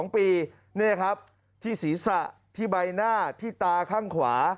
๒ปีนี่ครับที่ศีรษะที่ใบหน้าที่ตาข้างขวา